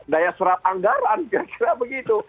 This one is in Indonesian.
daya serap anggaran kira kira begitu